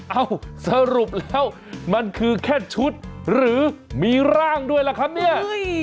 เอ้าสรุปแล้วมันคือแค่ชุดหรือมีร่างด้วยล่ะครับเนี่ย